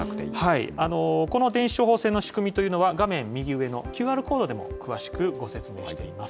この電子処方箋の仕組みというのは、画面右上のＱＲコードでも詳しくご説明しています。